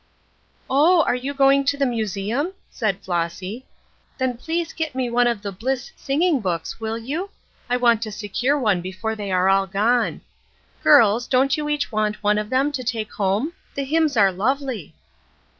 "Oh, are you going to the museum?" said Flossy. "Then please get me one of the 'Bliss' singing books, will you? I want to secure one before they are all gone. Girls, don't you each want one of them to take home? The hymns are lovely."